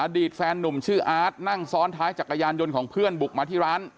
ตแฟนนุ่มชื่ออาร์ตนั่งซ้อนท้ายจักรยานยนต์ของเพื่อนบุกมาที่ร้าน